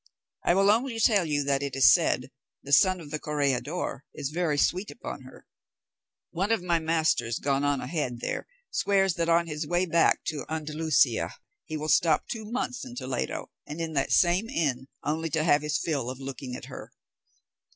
I will only tell you that it is said the son of the corregidor is very sweet upon her. One of my masters gone on ahead there, swears, that on his way back to Andalusia, he will stop two months in Toledo, and in that same inn, only to have his fill of looking at her.